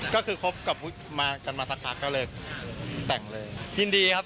ก็คือคบกับมากันมาสักพักก็เลยแต่งเลยยินดีครับ